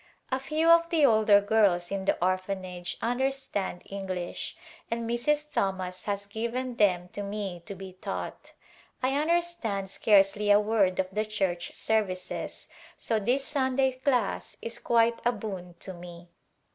A few of the older girls in the Orphanage understand English and Mrs. Thomas has given them to me to be taught. I understand scarcely a word of the church services, so this Sunday class is quite a boon to me.